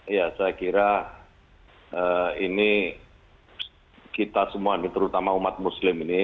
ya saya kira ini kita semua terutama umat muslim ini